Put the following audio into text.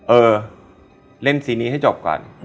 เออเล่นซีนี้ให้จบก่อน